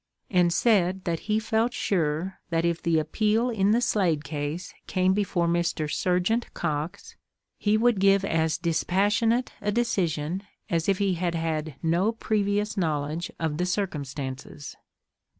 and said that he felt sure that if the appeal in the Slade case came before Mr. Serjeant Cox, he would give as dispassionate a decision as if he had had no previous knowledge of the circumstances!!